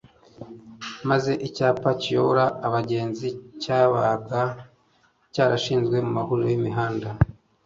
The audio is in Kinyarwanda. maze icyapa kiyobora abagenzi cyabaga cyarashinzwe mu mahuriro yimihanda